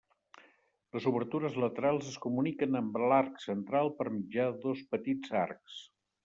Les obertures laterals es comuniquen amb l'arc central per mitjà de dos petits arcs.